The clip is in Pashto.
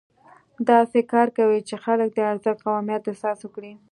داسې کار کوئ چې خلک د ارزښت او اهمیت احساس وکړي.